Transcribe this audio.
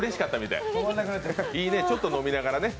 いいね、ちょっと飲みながらね。